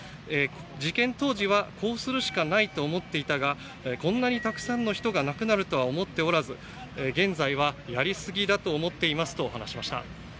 事件当時はこうするしかないと思っていたがこんなにたくさんの人が亡くなるとは思っておらず現在はやりすぎだと思っていますと話していました。